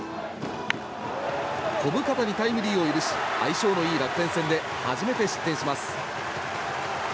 小深田にタイムリーを許し相性のいい楽天戦で初めて失点します。